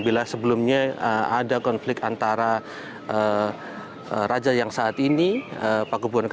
bila sebelumnya ada konflik antara raja yang saat ini paku buwono ke tiga belas